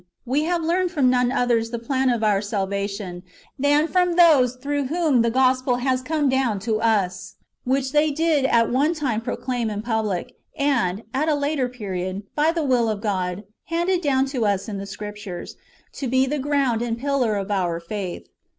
We have learned from none others the plan of our sal vation, than from those through whom the gospel has come down to us, which they did at one time proclaim in public, and, at a later period, by the will of God, handed down to us in the Scriptures, to be the ground and pillar of our falth.